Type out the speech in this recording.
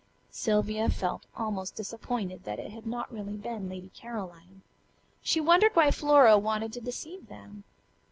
Sylvia felt almost disappointed that it had not really been "Lady Caroline." She wondered why Flora had wanted to deceive them.